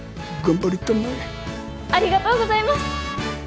ありがとうございます！